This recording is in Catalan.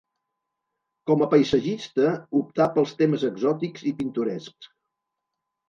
Com a paisatgista, optà pels temes exòtics i pintorescs.